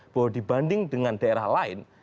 bahwa dibanding dengan daerah lain